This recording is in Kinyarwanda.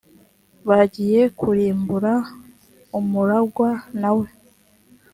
bagiye kurimbura umuragwa na we